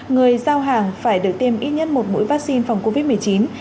người giao hàng phải được tiêm ít nhất một mũi vaccine phòng covid một mươi chín